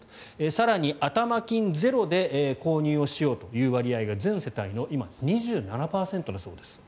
更に、頭金ゼロで購入しようという割合が全世帯の今２７％だそうです。